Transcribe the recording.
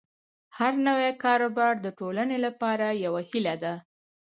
هر نوی کاروبار د ټولنې لپاره یوه هیله ده.